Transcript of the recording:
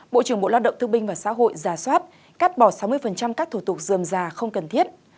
bộ trưởng bộ lao động thương binh và xã hội giả soát cắt bỏ sáu mươi các thủ tục dườm già không cần thiết